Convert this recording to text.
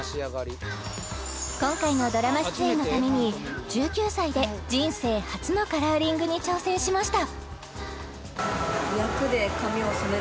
今回のドラマ出演のために１９歳で人生初のカラーリングに挑戦しました！